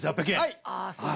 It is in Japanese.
はい。